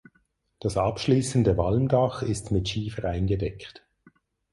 Das abschließende Walmdach ist mit Schiefer eingedeckt.